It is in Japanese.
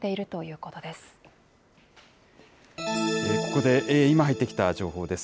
ここで今、入ってきた情報です。